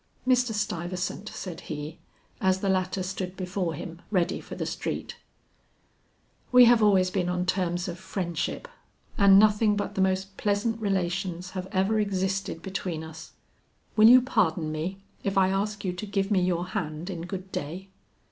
"Mr. Stuyvesant," said he, as the latter stood before him ready for the street, "we have always been on terms of friendship, and nothing but the most pleasant relations have ever existed between us. Will you pardon me if I ask you to give me your hand in good day?"